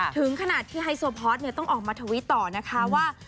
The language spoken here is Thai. ถึงขนาดที่ไฮโซพอร์ตต้องออกมาทวิตต่อนะคะว่า